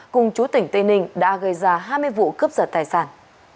cùng chú tỉnh tây ninh đã gây ra hai mươi vụ cướp giật tài sản